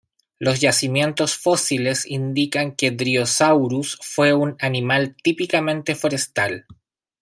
Los yacimientos fósiles indican que "Dryosaurus" fue un animal típicamente forestal.